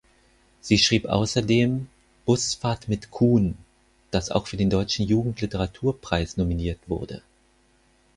Sie schrieb außerdem "Busfahrt mit Kuhn", das auch für den Deutschen Jugendliteraturpreis nominiert wurde.